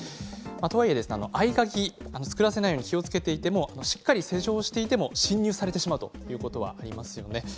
とはいえ合鍵を作らせないように気をつけていてもしっかり施錠をしていても侵入されてしまうこともありますね。